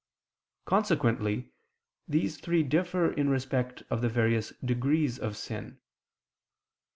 Consequently these three differ in respect of the various degrees of sin.